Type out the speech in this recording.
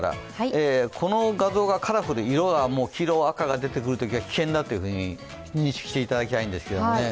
この画像がカラフル、色が黄色、赤が出てくるときは危険だというふうに認識していただきたいんですけども。